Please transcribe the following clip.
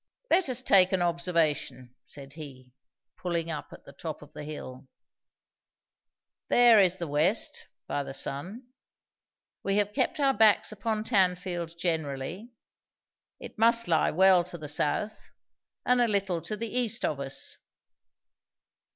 "Let us take an observation," said he, pulling up at the top of the hill. "There is the west, by the sun. We have kept our backs upon Tanfield generally; it must lie well to the south, and a little to the east of us.